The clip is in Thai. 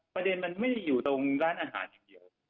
ประเด็นมันไม่ได้อยู่ตรงร้านอาหารอย่างเดียว